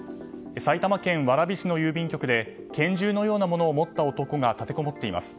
埼玉県蕨市の郵便局で拳銃のようなものを持った男が立てこもっています。